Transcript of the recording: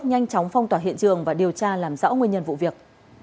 nhanh chóng phong tỏa hiện trường và điều tra làm rõ nguyên nhân vụ việc